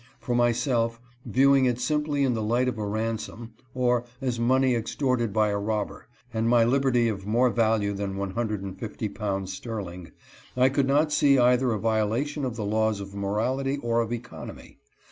For myself, viewing it simply in the light of a ransom, or as money extorted by a robber, and my liberty of more value than one hundred and fifty pounds sterling, I could not see either a violation of the laws of morality or of econ omy.